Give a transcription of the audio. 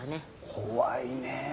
怖いねえ。